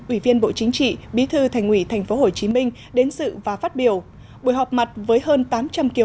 ủy viên bộ chính trị bí thư thành ủy tp hcm đến sự và phát biểu buổi họp mặt với hơn tám trăm linh kiều